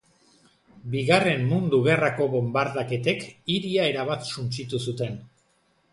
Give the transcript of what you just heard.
Bigarren Mundu Gerrako bonbardaketek hiria erabat suntsitu zuten.